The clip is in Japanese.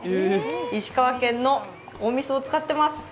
石川県のおみそを使っています。